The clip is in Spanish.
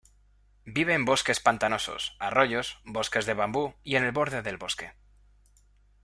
Vive en bosques pantanosos, arroyos, bosques de bambú y en el borde del bosque.